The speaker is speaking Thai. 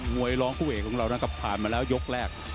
วยร้องคู่เอกของเรานะครับผ่านมาแล้วยกแรก